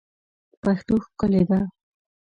پښتو ښکلې ده